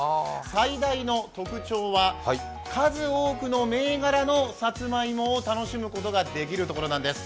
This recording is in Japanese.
最大の特徴は数多くの銘柄のさつまいもを楽しむことができるところなんです。